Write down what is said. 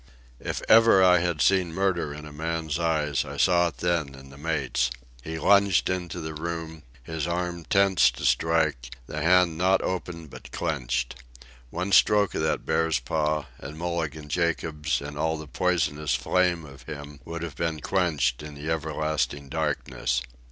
If ever I had seen murder in a man's eyes, I saw it then in the mate's. He lunged into the room, his arm tensed to strike, the hand not open but clenched. One stroke of that bear's paw and Mulligan Jacobs and all the poisonous flame of him would have been quenched in the everlasting darkness.